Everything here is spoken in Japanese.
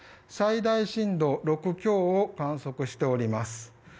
最大震度６強を観測しております。